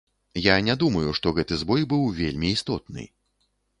Я не думаю, што гэты збой быў вельмі істотны.